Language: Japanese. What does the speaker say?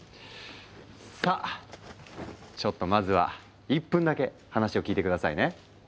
さあちょっとまずは１分だけ話を聞いて下さいね！